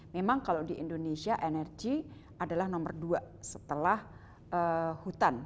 memang kalau di indonesia energi adalah nomor dua setelah hutan